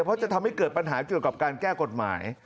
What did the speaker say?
เพราะจะทำให้เกิดปัญหาเกี่ยวกับการแก้กฎหมาย